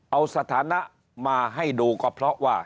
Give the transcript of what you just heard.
เอาสถานะมาให้ดูก็เพราะว่า